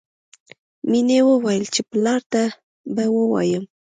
مینې وویل چې پلار ته به ووایم